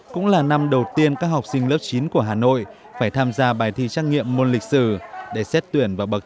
cũng là năm đầu tiên các học sinh lớp chín của hà nội phải tham gia bài thi trắc nghiệm môn lịch sử